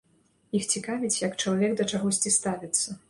Іх цікавіць, як чалавек да чагосьці ставіцца.